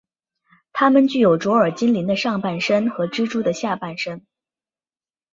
他们具有卓尔精灵的上半身和蜘蛛的下半身。